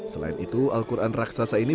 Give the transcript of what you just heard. selain itu al quran raksasa ini